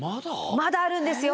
まだあるんですよ。